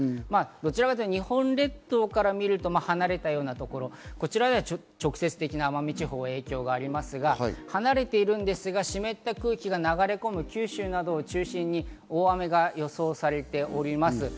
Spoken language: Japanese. どちらかというと日本列島から見ると離れたようなところ、こちらでは直接的な影響は奄美地方にはありますが、離れているんですが、湿った空気が流れ込む九州などを中心に大雨が予想されております。